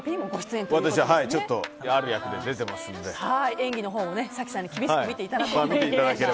演技のほうも早紀さんに厳しく見ていただきます。